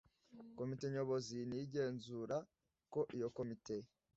Komite Nyobozi ni yo igenzura ko iyo komite